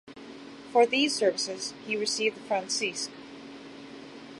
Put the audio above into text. For these services, he received the Francisque.